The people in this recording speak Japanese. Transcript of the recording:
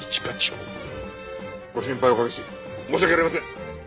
ご心配をおかけし申し訳ありません！